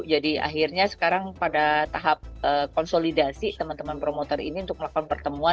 jadi akhirnya sekarang pada tahap konsolidasi teman teman promotor ini untuk melakukan pertemuan